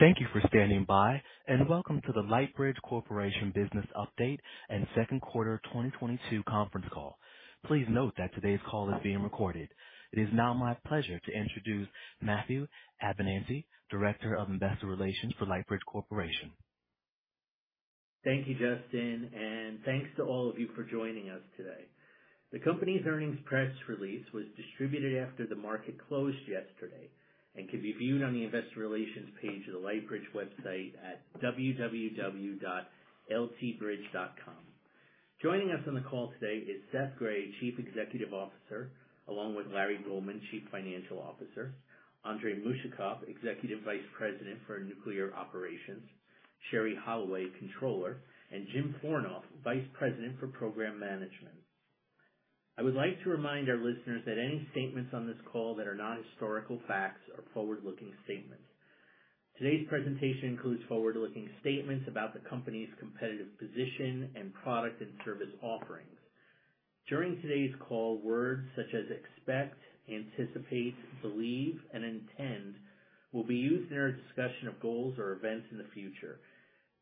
Thank you for standing by, and welcome to the Lightbridge Corporation business update and second quarter 2022 conference call. Please note that today's call is being recorded. It is now my pleasure to introduce Matthew Abenante, Director of Investor Relations for Lightbridge Corporation. Thank you, Justin, and thanks to all of you for joining us today. The company's earnings press release was distributed after the market closed yesterday and can be viewed on the investor relations page of the Lightbridge website at www.ltbridge.com. Joining us on the call today is Seth Grae, Chief Executive Officer, along with Larry Goldman, Chief Financial Officer, Andrey Mushakov, Executive Vice President for Nuclear Operations, Sherrie Holloway, Controller, and Jim Fornof, Vice President for Program Management. I would like to remind our listeners that any statements on this call that are not historical facts are forward-looking statements. Today's presentation includes forward-looking statements about the company's competitive position and product and service offerings. During today's call, words such as expect, anticipate, believe, and intend will be used in our discussion of goals or events in the future.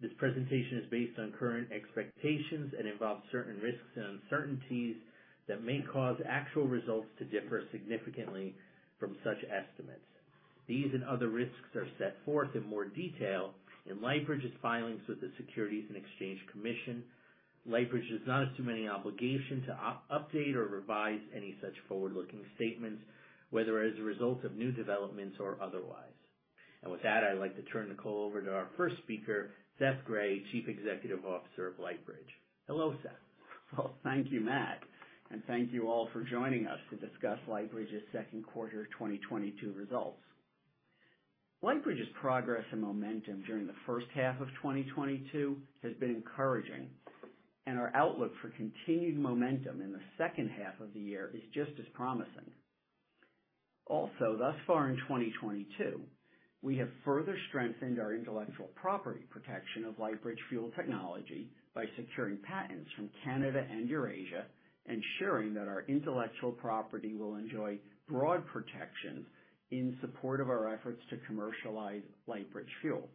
This presentation is based on current expectations and involves certain risks and uncertainties that may cause actual results to differ significantly from such estimates. These and other risks are set forth in more detail in Lightbridge's filings with the Securities and Exchange Commission. Lightbridge does not assume any obligation to update or revise any such forward-looking statements, whether as a result of new developments or otherwise. With that, I'd like to turn the call over to our first speaker, Seth Grae, Chief Executive Officer of Lightbridge. Hello, Seth. Well, thank you, Matt, and thank you all for joining us to discuss Lightbridge's second quarter 2022 results. Lightbridge's progress and momentum during the first half of 2022 has been encouraging, and our outlook for continued momentum in the second half of the year is just as promising. Also, thus far in 2022, we have further strengthened our intellectual property protection of Lightbridge Fuel technology by securing patents from Canada and Eurasia, ensuring that our intellectual property will enjoy broad protections in support of our efforts to commercialize Lightbridge Fuel.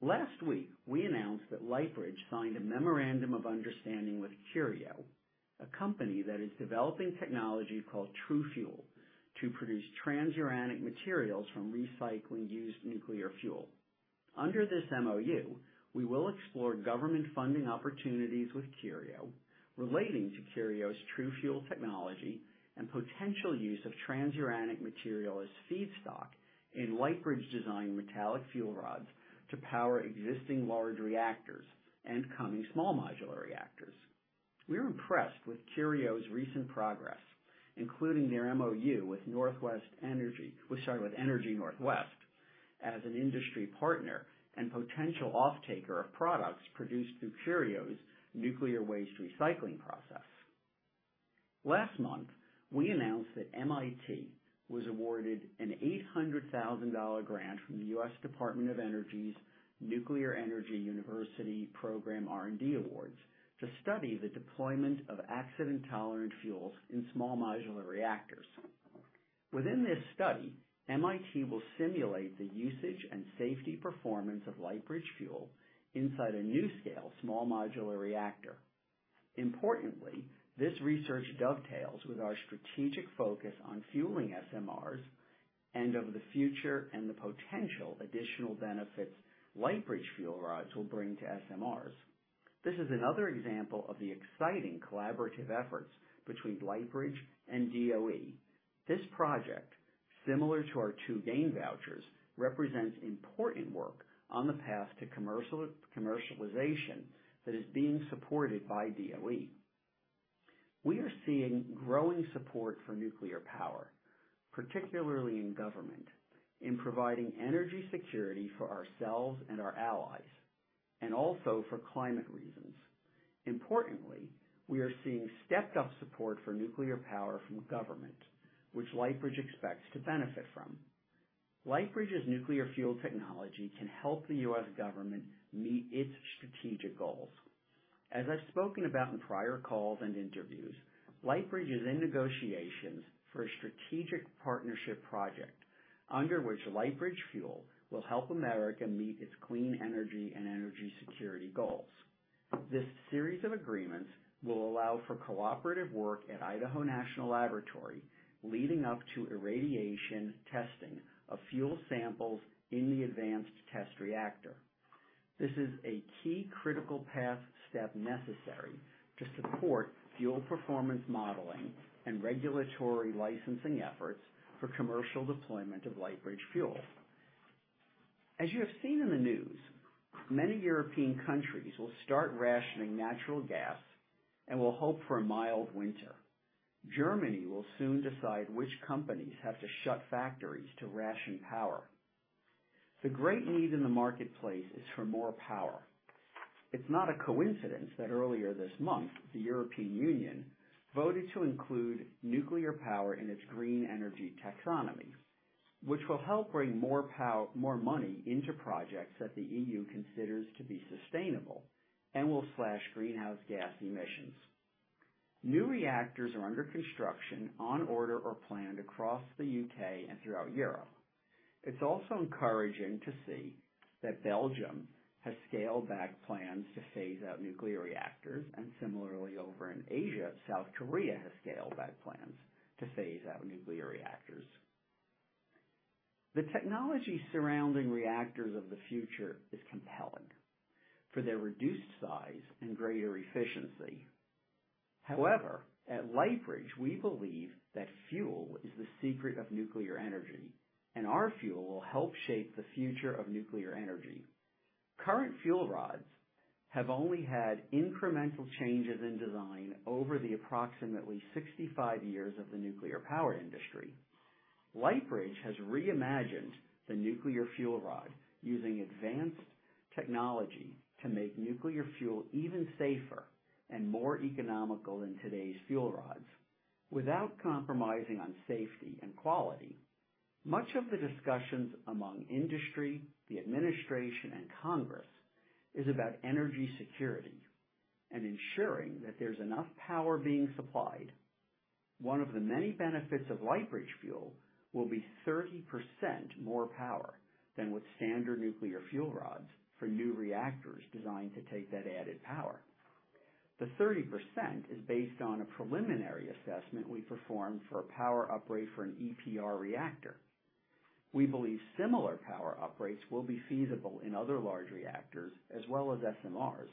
Last week, we announced that Lightbridge signed a memorandum of understanding with Curio, a company that is developing technology called TRUfuel to produce transuranic materials from recycling used nuclear fuel. Under this MOU, we will explore government funding opportunities with Curio relating to Curio's TRUfuel technology and potential use of transuranic material as feedstock in Lightbridge designed metallic fuel rods to power existing large reactors and coming small modular reactors. We're impressed with Curio's recent progress, including their MOU with Energy Northwest, as an industry partner and potential offtaker of products produced through Curio's nuclear waste recycling process. Last month, we announced that MIT was awarded an $800,000 grant from the U.S. Department of Energy's Nuclear Energy University Program R&D Awards to study the deployment of accident-tolerant fuels in small modular reactors. Within this study, MIT will simulate the usage and safety performance of Lightbridge Fuel inside a NuScale small modular reactor. Importantly, this research dovetails with our strategic focus on fueling SMRs and PWRs of the future and the potential additional benefits Lightbridge Fuel rods will bring to SMRs. This is another example of the exciting collaborative efforts between Lightbridge and DOE. This project, similar to our two GAIN vouchers, represents important work on the path to commercialization that is being supported by DOE. We are seeing growing support for nuclear power, particularly in government, in providing energy security for ourselves and our allies, and also for climate reasons. Importantly, we are seeing stepped up support for nuclear power from government, which Lightbridge expects to benefit from. Lightbridge's nuclear fuel technology can help the U.S. government meet its strategic goals. As I've spoken about in prior calls and interviews, Lightbridge is in negotiations for a strategic partnership project under which Lightbridge Fuel will help America meet its clean energy and energy security goals. This series of agreements will allow for cooperative work at Idaho National Laboratory leading up to irradiation testing of fuel samples in the Advanced Test Reactor. This is a key critical path step necessary to support fuel performance modeling and regulatory licensing efforts for commercial deployment of Lightbridge Fuel. As you have seen in the news, many European countries will start rationing natural gas and will hope for a mild winter. Germany will soon decide which companies have to shut factories to ration power. The great need in the marketplace is for more power. It's not a coincidence that earlier this month, the European Union voted to include nuclear power in its green energy taxonomy, which will help bring more money into projects that the EU considers to be sustainable and will slash greenhouse gas emissions. New reactors are under construction on order or planned across the U.K. and throughout Europe. It's also encouraging to see that Belgium has scaled back plans to phase out nuclear reactors. Similarly, over in Asia, South Korea has scaled back plans to phase out nuclear reactors. The technology surrounding reactors of the future is compelling for their reduced size and greater efficiency. However, at Lightbridge, we believe that fuel is the secret of nuclear energy, and our fuel will help shape the future of nuclear energy. Current fuel rods have only had incremental changes in design over the approximately 65 years of the nuclear power industry. Lightbridge has reimagined the nuclear fuel rod using advanced technology to make nuclear fuel even safer and more economical than today's fuel rods without compromising on safety and quality. Much of the discussions among industry, the administration, and Congress is about energy security and ensuring that there's enough power being supplied. One of the many benefits of Lightbridge Fuel will be 30% more power than with standard nuclear fuel rods for new reactors designed to take that added power. The 30% is based on a preliminary assessment we performed for a power upgrade for an EPR reactor. We believe similar power uprates will be feasible in other large reactors as well as SMRs.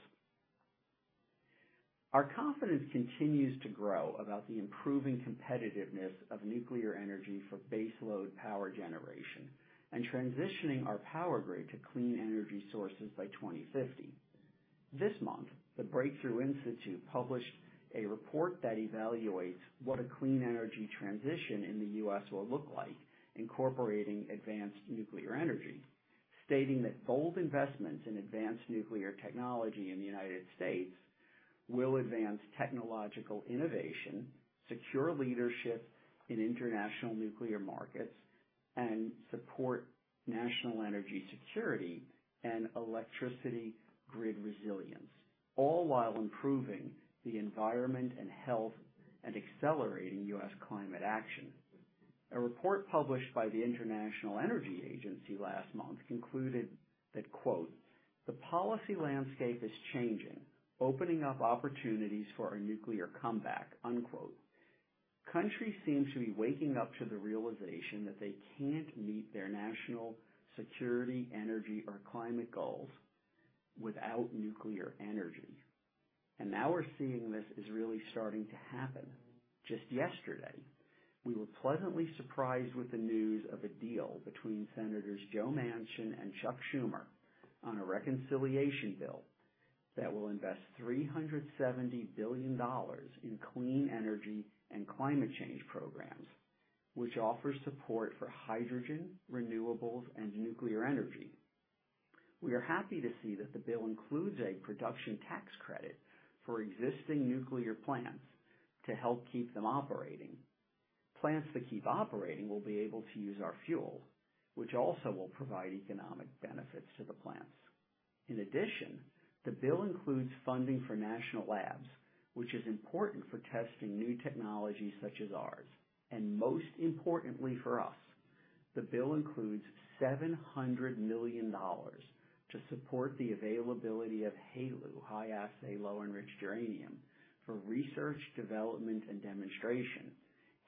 Our confidence continues to grow about the improving competitiveness of nuclear energy for baseload power generation and transitioning our power grid to clean energy sources by 2050. This month, The Breakthrough Institute published a report that evaluates what a clean energy transition in the U.S. will look like, incorporating advanced nuclear energy, stating that bold investments in advanced nuclear technology in the United States will advance technological innovation, secure leadership in international nuclear markets, and support national energy security and electricity grid resilience, all while improving the environment and health and accelerating U.S. climate action. A report published by the International Energy Agency last month concluded that, quote, "The policy landscape is changing, opening up opportunities for a nuclear comeback," unquote. Countries seem to be waking up to the realization that they can't meet their national security, energy, or climate goals without nuclear energy. Now we're seeing this is really starting to happen. Just yesterday, we were pleasantly surprised with the news of a deal between Senators Joe Manchin and Chuck Schumer on a reconciliation bill that will invest $370 billion in clean energy and climate change programs, which offers support for hydrogen, renewables, and nuclear energy. We are happy to see that the bill includes a production tax credit for existing nuclear plants to help keep them operating. Plants that keep operating will be able to use our fuel, which also will provide economic benefits to the plants. In addition, the bill includes funding for national labs, which is important for testing new technologies such as ours. Most importantly for us, the bill includes $700 million to support the availability of HALEU, High-Assay Low-Enriched Uranium, for research, development, and demonstration.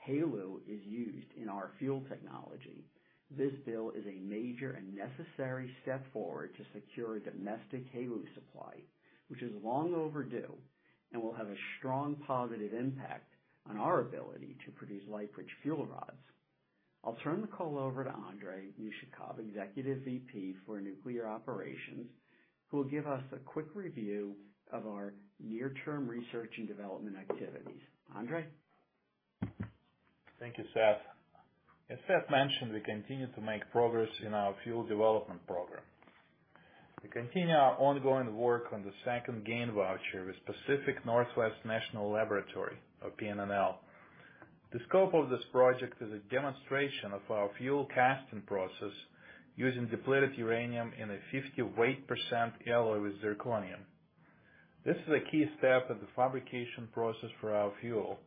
HALEU is used in our fuel technology. This bill is a major and necessary step forward to secure a domestic HALEU supply, which is long overdue and will have a strong positive impact on our ability to produce Lightbridge Fuel rods. I'll turn the call over to Andrey Mushakov, Executive VP for Nuclear Operations, who will give us a quick review of our near-term research and development activities. Andrey? Thank you, Seth. As Seth mentioned, we continue to make progress in our fuel development program. We continue our ongoing work on the second GAIN voucher with Pacific Northwest National Laboratory or PNNL. The scope of this project is a demonstration of our fuel casting process using depleted uranium in a 50 weight percent alloy with zirconium. This is a key step in the fabrication process for our fuel,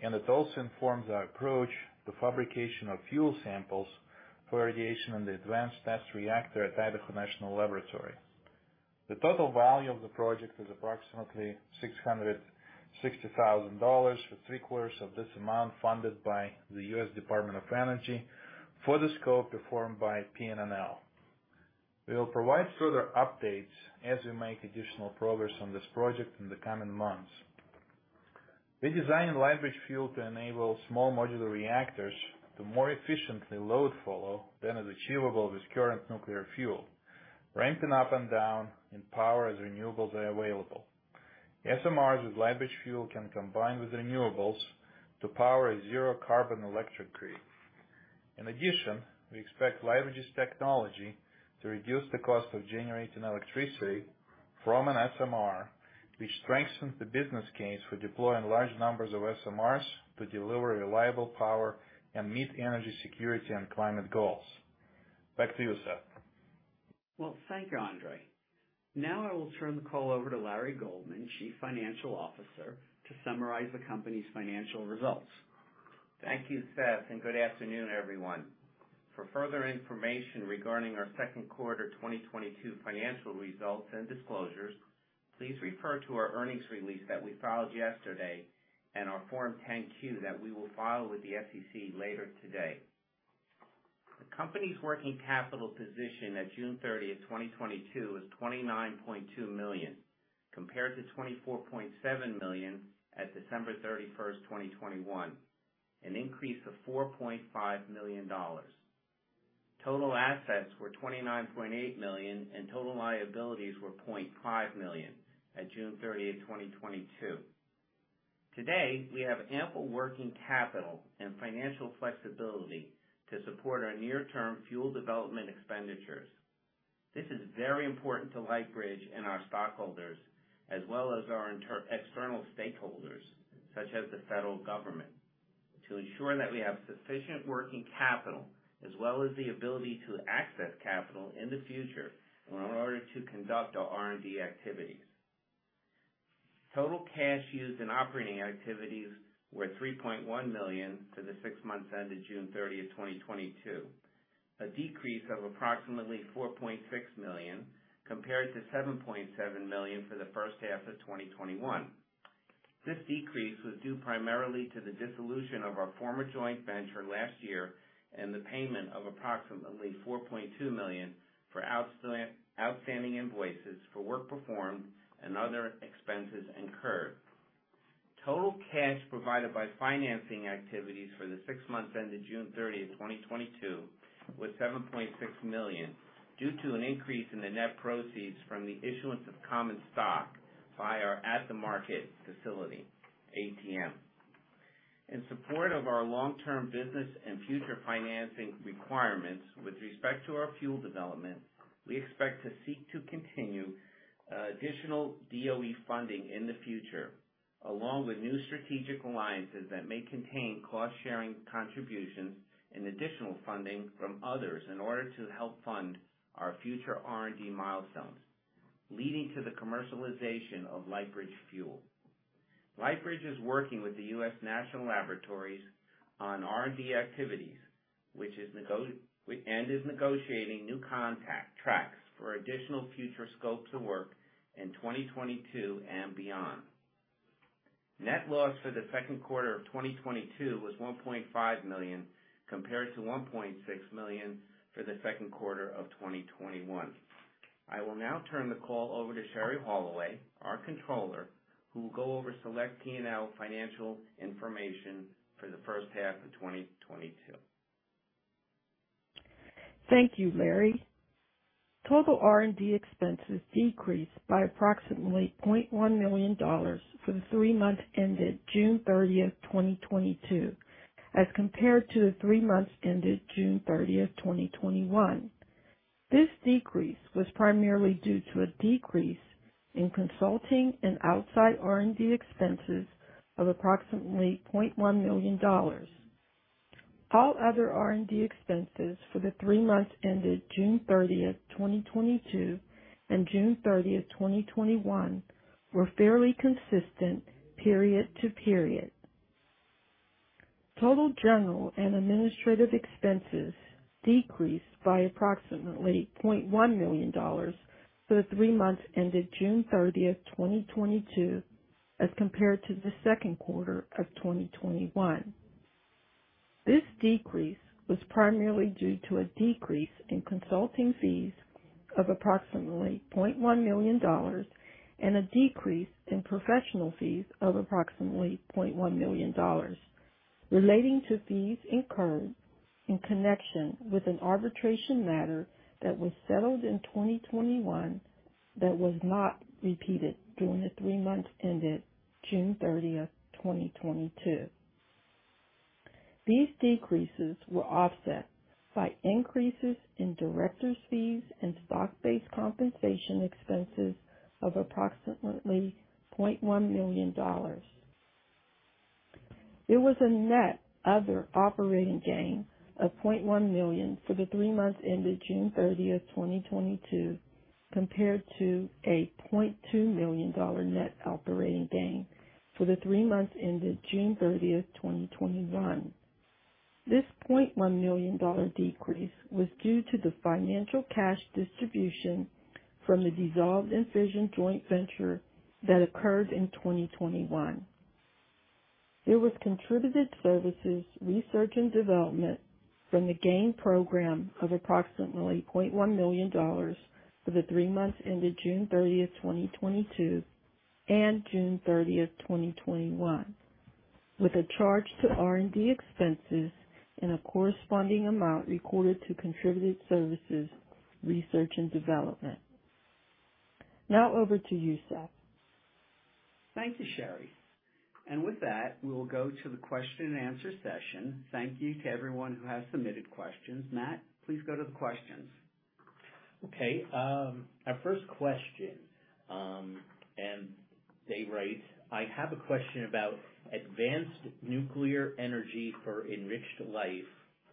and it also informs our approach to fabrication of fuel samples for irradiation in the Advanced Test Reactor at Idaho National Laboratory. The total value of the project is approximately $660,000, with three-quarters of this amount funded by the U.S. Department of Energy for the scope performed by PNNL. We will provide further updates as we make additional progress on this project in the coming months. We're designing Lightbridge Fuel to enable small modular reactors to more efficiently load follow than is achievable with current nuclear fuel, ramping up and down in power as renewables are available. SMRs with Lightbridge Fuel can combine with renewables to power a zero-carbon electric grid. In addition, we expect Lightbridge's technology to reduce the cost of generating electricity from an SMR, which strengthens the business case for deploying large numbers of SMRs to deliver reliable power and meet energy security and climate goals. Back to you, Seth. Well, thank you, Andrey. Now I will turn the call over to Larry Goldman, Chief Financial Officer, to summarize the company's financial results. Thank you, Seth, and good afternoon, everyone. For further information regarding our second quarter 2022 financial results and disclosures, please refer to our earnings release that we filed yesterday and our Form 10-Q that we will file with the SEC later today. The company's working capital position at June 30th, 2022 is $29.2 million, compared to $24.7 million at December 31st, 2021, an increase of $4.5 million. Total assets were $29.8 million, and total liabilities were $0.5 million at June 30th, 2022. Today, we have ample working capital and financial flexibility to support our near-term fuel development expenditures. This is very important to Lightbridge and our stockholders, as well as our external stakeholders, such as the federal government, to ensure that we have sufficient working capital as well as the ability to access capital in the future in order to conduct our R&D activities. Total cash used in operating activities were $3.1 million for the six months ended June 30th, 2022, a decrease of approximately $4.6 million compared to $7.7 million for the first half of 2021. This decrease was due primarily to the dissolution of our former joint venture last year and the payment of approximately $4.2 million for outstanding invoices for work performed and other expenses incurred. Total cash provided by financing activities for the six months ended June 30th, 2022 was $7.6 million due to an increase in the net proceeds from the issuance of common stock by our at-the-market facility, ATM. In support of our long-term business and future financing requirements with respect to our fuel development, we expect to seek to continue additional DOE funding in the future, along with new strategic alliances that may contain cost-sharing contributions and additional funding from others in order to help fund our future R&D milestones, leading to the commercialization of Lightbridge Fuel. Lightbridge is working with the U.S. National Laboratories on R&D activities, and is negotiating new contract tracks for additional future scopes of work in 2022 and beyond. Net loss for the second quarter of 2022 was $1.5 million, compared to $1.6 million for the second quarter of 2021. I will now turn the call over to Sherrie Holloway, our Controller, who will go over select P&L financial information for the first half of 2022. Thank you, Larry. Total R&D expenses decreased by approximately $0.1 million for the three months ended June 30th, 2022, as compared to the three months ended June 30th, 2021. This decrease was primarily due to a decrease in consulting and outside R&D expenses of approximately $0.1 million. All other R&D expenses for the three months ended June 30th, 2022 and June 30th, 2021 were fairly consistent period to period. Total general and administrative expenses decreased by approximately $0.1 million for the three months ended June 30th, 2022, as compared to the second quarter of 2021. This decrease was primarily due to a decrease in consulting fees of approximately $0.1 million and a decrease in professional fees of approximately $0.1 million relating to fees incurred in connection with an arbitration matter that was settled in 2021 that was not repeated during the three months ended June 30th, 2022. These decreases were offset by increases in directors' fees and stock-based compensation expenses of approximately $0.1 million. There was a net other operating gain of $0.1 million for the three months ended June 30th, 2022, compared to a $0.2 million net operating gain for the three months ended June 30th, 2021. This $0.1 million dollar decrease was due to the financial cash distribution from the dissolved Enfission joint venture that occurred in 2021. There was contributed services research and development from the GAIN program of approximately $0.1 million for the three months ended June 30th, 2022 and June 30th, 2021, with a charge to R&D expenses and a corresponding amount recorded to contributed services research and development. Now over to you, Seth. Thank you, Sherrie. With that, we will go to the question and answer session. Thank you to everyone who has submitted questions. Matt, please go to the questions. Okay. Our first question, they write, I have a question about Advanced Nuclear Energy for Enriched Life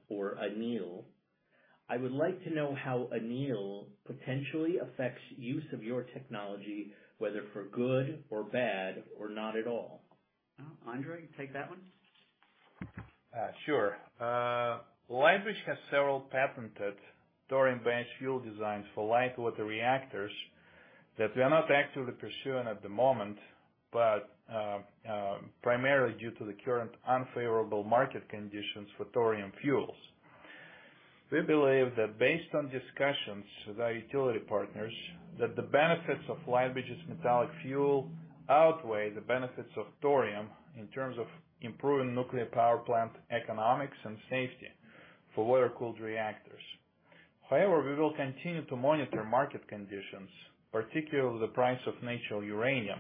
or ANEEL. I would like to know how ANEEL potentially affects use of your technology, whether for good or bad or not at all. Andrey, take that one. Sure. Lightbridge has several patented thorium-based fuel designs for light water reactors that we are not actively pursuing at the moment, but primarily due to the current unfavorable market conditions for thorium fuels. We believe that based on discussions with our utility partners that the benefits of Lightbridge's metallic fuel outweigh the benefits of thorium in terms of improving nuclear power plant economics and safety for water-cooled reactors. However, we will continue to monitor market conditions, particularly the price of natural uranium,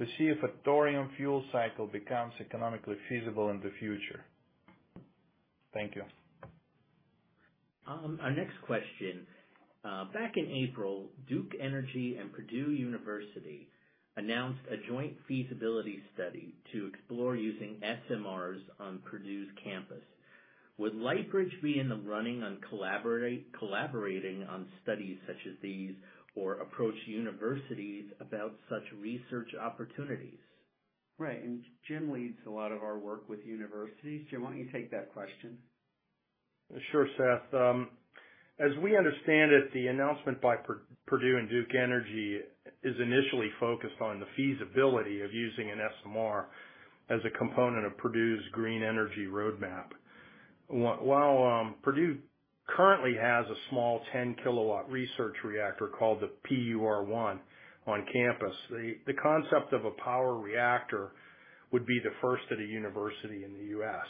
to see if a thorium fuel cycle becomes economically feasible in the future. Thank you. Our next question. Back in April, Duke Energy and Purdue University announced a joint feasibility study to explore using SMRs on Purdue's campus. Would Lightbridge be in the running collaborating on studies such as these or approach universities about such research opportunities? Right. Jim leads a lot of our work with universities. Jim, why don't you take that question? Sure, Seth. As we understand it, the announcement by Purdue and Duke Energy is initially focused on the feasibility of using an SMR as a component of Purdue's green energy roadmap. While Purdue currently has a small 10 KW research reactor called the PUR-1 on campus, the concept of a power reactor would be the first at a university in the U.S.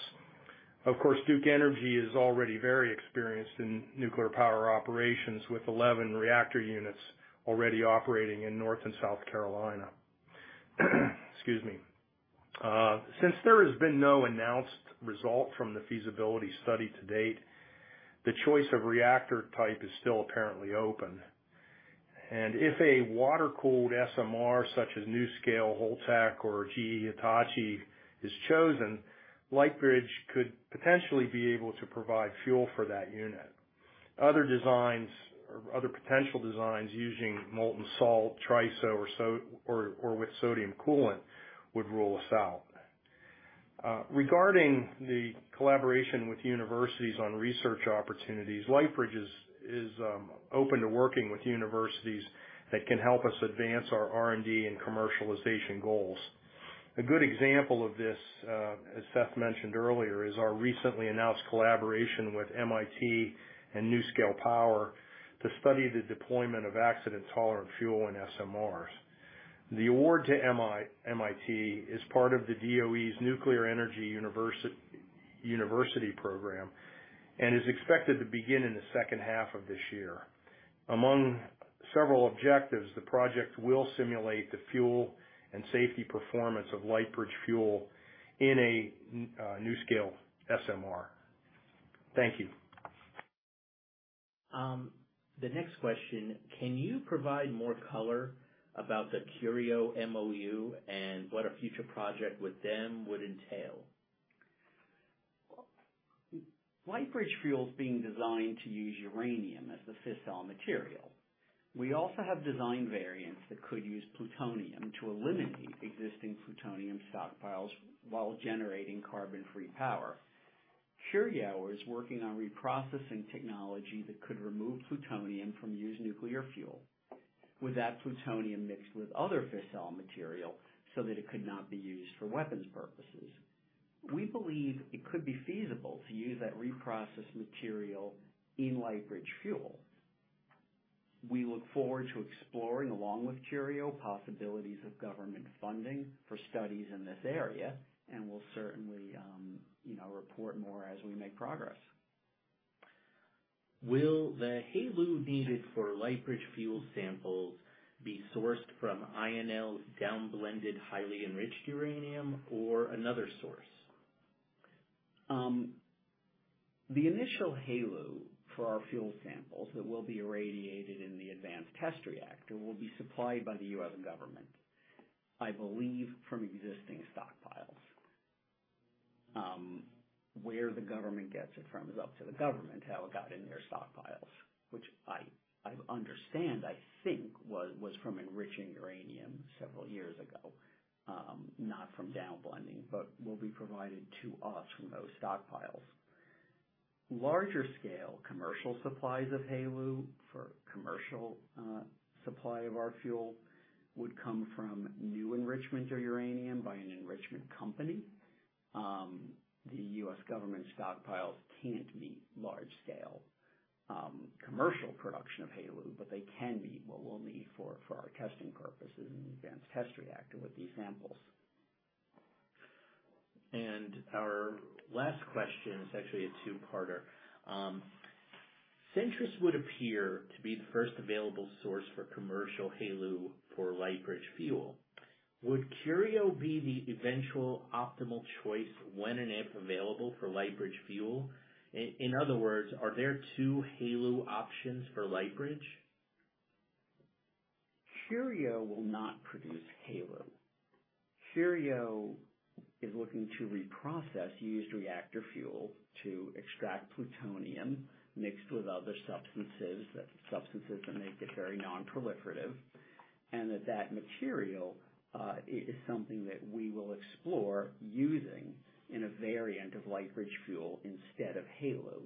Of course, Duke Energy is already very experienced in nuclear power operations, with 11 reactor units already operating in North and South Carolina. Excuse me. Since there has been no announced result from the feasibility study to date, the choice of reactor type is still apparently open. If a water-cooled SMR, such as NuScale, Holtec or GE Hitachi, is chosen, Lightbridge could potentially be able to provide fuel for that unit. Other designs or other potential designs using molten salt, TRISO or with sodium coolant would rule us out. Regarding the collaboration with universities on research opportunities, Lightbridge is open to working with universities that can help us advance our R&D and commercialization goals. A good example of this, as Seth mentioned earlier, is our recently announced collaboration with MIT and NuScale Power to study the deployment of accident-tolerant fuel in SMRs. The award to MIT is part of the DOE's Nuclear Energy University Program and is expected to begin in the second half of this year. Among several objectives, the project will simulate the fuel and safety performance of Lightbridge Fuel in a NuScale SMR. Thank you. The next question. Can you provide more color about the Curio MOU and what a future project with them would entail? Lightbridge Fuel is being designed to use uranium as the fissile material. We also have design variants that could use plutonium to eliminate existing plutonium stockpiles while generating carbon-free power. Curio is working on reprocessing technology that could remove plutonium from used nuclear fuel, with that plutonium mixed with other fissile material so that it could not be used for weapons purposes. We believe it could be feasible to use that reprocessed material in Lightbridge Fuel. We look forward to exploring, along with Curio, possibilities of government funding for studies in this area, and we'll certainly, you know, report more as we make progress. Will the HALEU needed for Lightbridge Fuel samples be sourced from INL's downblended highly enriched uranium or another source? The initial HALEU for our fuel samples that will be irradiated in the Advanced Test Reactor will be supplied by the U.S. government, I believe, from existing stockpiles. Where the government gets it from is up to the government, how it got in their stockpiles, which I understand, I think was from enriching uranium several years ago, not from downblending, but will be provided to us from those stockpiles. Larger scale commercial supplies of HALEU for commercial supply of our fuel would come from new enrichment of uranium by an enrichment company. The U.S. government stockpiles can't meet large scale commercial production of HALEU, but they can meet what we'll need for our testing purposes and Advanced Test Reactor with these samples. Our last question is actually a two-parter. Centrus would appear to be the first available source for commercial HALEU for Lightbridge Fuel. Would Curio be the eventual optimal choice when and if available for Lightbridge Fuel? In other words, are there two HALEU options for Lightbridge? Curio will not produce HALEU. Curio is looking to reprocess used reactor fuel to extract plutonium mixed with other substances that make it very non-proliferative. That material is something that we will explore using in a variant of Lightbridge Fuel instead of HALEU.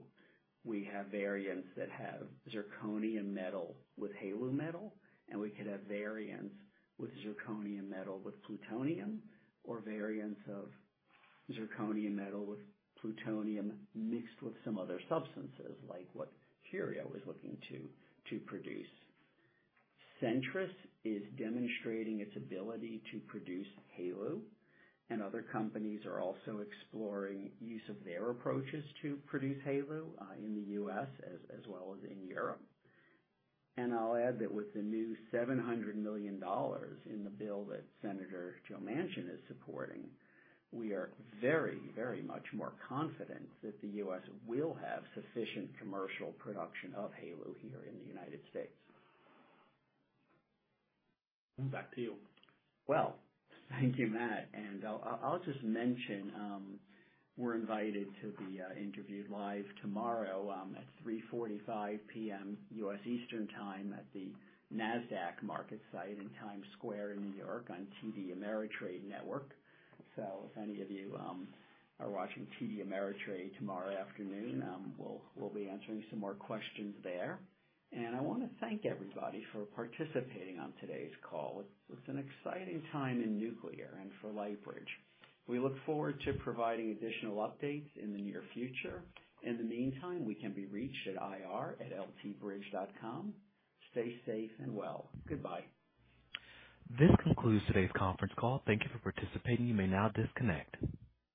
We have variants that have zirconium metal with HALEU metal, and we could have variants with zirconium metal with plutonium or variants of zirconium metal with plutonium mixed with some other substances, like what Curio is looking to produce. Centrus is demonstrating its ability to produce HALEU, and other companies are also exploring use of their approaches to produce HALEU in the U.S. as well as in Europe. I'll add that with the new $700 million in the bill that Senator Joe Manchin is supporting, we are very, very much more confident that the U.S. will have sufficient commercial production of HALEU here in the United States. Back to you. Well, thank you, Matt. I'll just mention we're invited to be interviewed live tomorrow at 3:45 P.M. U.S. Eastern time at the NASDAQ market site in Times Square in New York on TD Ameritrade Network. If any of you are watching TD Ameritrade tomorrow afternoon, we'll be answering some more questions there. I wanna thank everybody for participating on today's call. It's an exciting time in nuclear and for Lightbridge. We look forward to providing additional updates in the near future. In the meantime, we can be reached at ir@ltbridge.com. Stay safe and well. Goodbye. This concludes today's conference call. Thank you for participating. You may now disconnect.